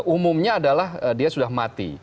umumnya adalah dia sudah mati